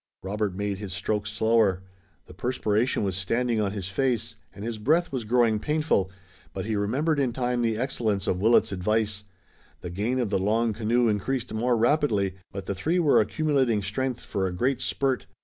Robert made his strokes slower. The perspiration was standing on his face, and his breath was growing painful, but he remembered in time the excellence of Willet's advice. The gain of the long canoe increased more rapidly, but the three were accumulating strength for a great spurt.